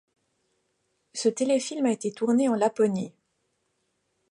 Ce téléfilm a été tourné en Laponie.